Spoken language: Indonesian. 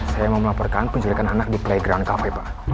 saya mau melaporkan penculikan anak di playground cafe pak